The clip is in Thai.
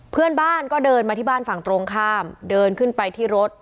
เพื่อนบ้านก็เดินมาที่บ้านฝั่งตรงข้ามเดินขึ้นไปที่รถ